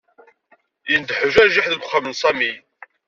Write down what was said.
Yendeḥ ujajiḥ deg uxxam n Sami.